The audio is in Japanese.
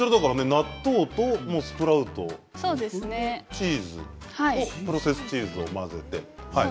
納豆とスプラウトあとチーズプロセスチーズを混ぜて。